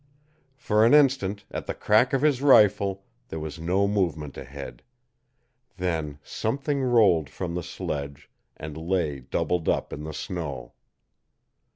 For an instant, at the crack of his rifle, there was no movement ahead; then something rolled from the sledge and lay doubled up in the snow.